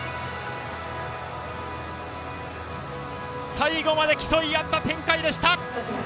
最後まで競い合った展開でした。